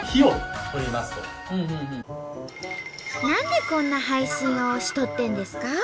何でこんな配信をしとってんですか？